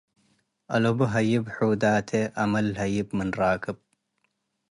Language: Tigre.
አለቡ ሀይብ ሑዳቴ አመል ለህያብ ምን ረክብ